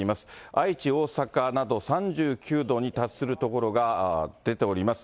愛知、大阪など、３９度に達する所が出ております。